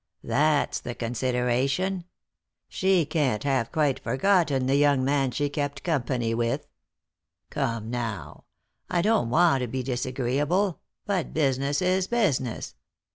That's the consideration. She can't quite have forgotten the young man she kept company with. Oome now, I don't want to be disagreeable, but business is business.